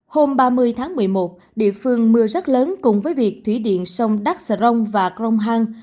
hôm ba mươi tháng một mươi một địa phương mưa rất lớn cùng với việc thủy điện sông đắc sở rong và grong hang